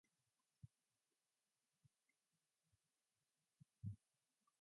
Nelson was a Boy Scout and earned the rank of First Class Scout.